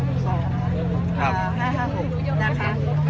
เพื่อกระจ๋างสงลักษณ์ได้มีความภาพสาวแล้ว